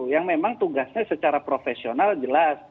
yang memang tugasnya secara profesional jelas